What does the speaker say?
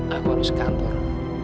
aku harus kantor